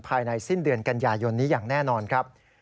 ภายในสิ้นเดือนกันยายนนี้อย่างแน่นอนครับ